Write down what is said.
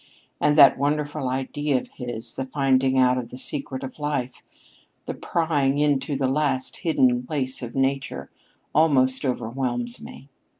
And that wonderful idea of his, the finding out of the secret of life, the prying into this last hidden place of Nature, almost overwhelms me.